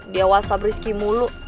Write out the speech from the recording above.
dia whatsapp rizky mulu